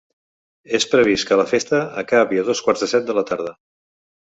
És previst que la festa acabi a dos quarts de set de la tarda.